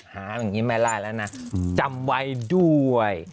หาอย่างนี้ไม่ได้แล้วนะจำไว้ด้วย